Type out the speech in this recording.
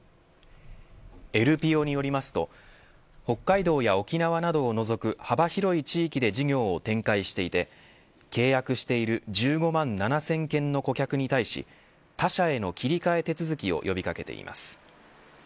エルピオによりますと北海道や沖縄などを除く幅広い地域で事業を展開していて契約している１５万７０００件の顧客に対し他社への切り替え手続きを呼び掛けています。